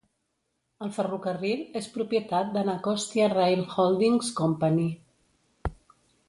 El ferrocarril és propietat d'Anacostia Rail Holdings Company.